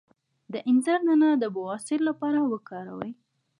د انځر دانه د بواسیر لپاره وکاروئ